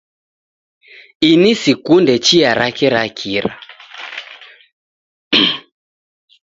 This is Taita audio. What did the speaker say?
Ini sikunde chia rake ra kira.